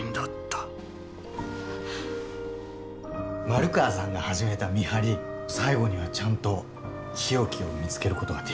丸川さんが始めた見張り最後にはちゃんと日置を見つけることができた。